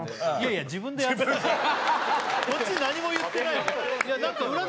こっち何も言ってないよね